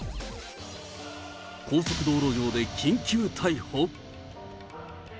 高速道路上で緊急逮捕？